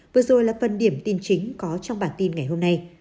vừa rồi là phần điểm tin chính có trong bản tin ngày hôm nay